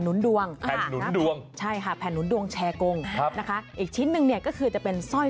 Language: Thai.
นุนดวงแผ่นหนุนดวงใช่ค่ะแผ่นหนุนดวงแชร์กงครับนะคะอีกชิ้นหนึ่งเนี่ยก็คือจะเป็นสร้อย